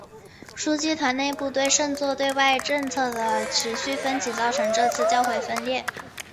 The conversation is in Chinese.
枢机团内部对圣座对外政策的持续分歧造成这次教会分裂。